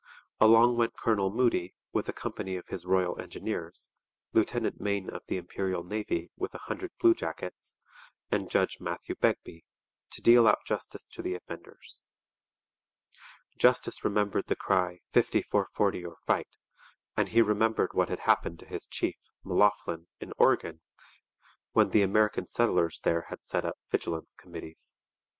Along went Colonel Moody, with a company of his Royal Engineers, Lieutenant Mayne of the Imperial Navy with a hundred bluejackets, and Judge Matthew Begbie, to deal out justice to the offenders. Douglas remembered the cry 'fifty four forty or fight,' and he remembered what had happened to his chief, M'Loughlin, in Oregon when the American settlers there had set up vigilance committees.